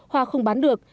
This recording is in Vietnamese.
hoa không bán được